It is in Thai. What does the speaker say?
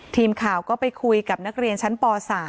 ทีมข่าวก็ไปคุยกับนักเรียนชั้นป๓